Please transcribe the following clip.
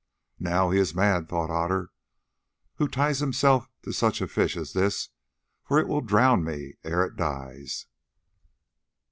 "Now, he is mad," thought Otter, "who ties himself to such a fish as this, for it will drown me ere it dies."